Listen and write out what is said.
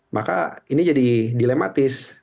maka ini jadi dilematis